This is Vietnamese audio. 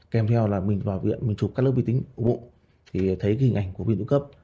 kèm theo là mình vào viện mình chụp các lớp vi tính của bụng thì thấy cái hình ảnh của viên tự cấp